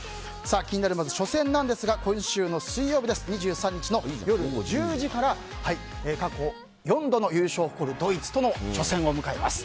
気になる初戦ですが今週の水曜日、２３日の夜１０時から過去４度の優勝を誇るドイツとの初戦を迎えます。